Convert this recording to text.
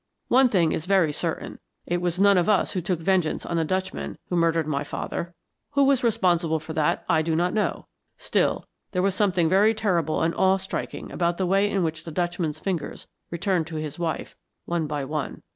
One thing is very certain. It was none of us who took vengeance on the Dutchman who murdered my father. Who was responsible for that I do not know. Still, there was something very terrible and awe striking about the way in which the Dutchman's fingers returned to his wife, one by one.